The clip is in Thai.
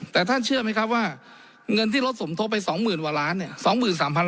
แต่ท่านเชื่อไหมครับว่าเงินที่ลดสมทบไป๒๐๐๐กว่าล้านเนี่ย